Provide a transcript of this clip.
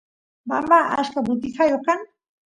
bamba achka butijayoq kan